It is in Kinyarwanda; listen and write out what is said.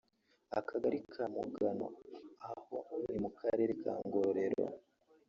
Akagari ka Mugano aho ni mu Karere ka Ngororero